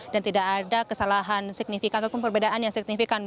dan tidak ada kesalahan signifikan ataupun perbedaan yang signifikan